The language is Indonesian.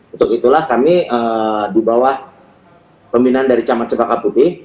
untuk itulah kami di bawah peminan dari cama cepaka putih